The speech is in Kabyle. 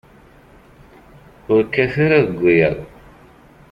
Ur kkat ara deg wiyaḍ.